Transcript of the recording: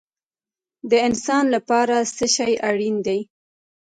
د انسان لپاره څه شی اړین دی؟